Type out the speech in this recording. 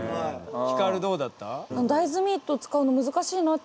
ヒカルどうだった？